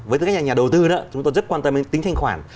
với các nhà đầu tư nữa chúng tôi rất quan tâm đến tính thanh khoản